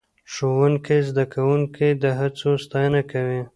ښوونکی زده کوونکي د هڅو ستاینه کوي